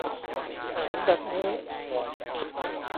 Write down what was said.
เห็นแบบนี้